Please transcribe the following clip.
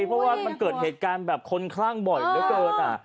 เพราะว่ามันเกิดเหตุการณ์แบบคนคลั่งบ่อยเหลือเกิน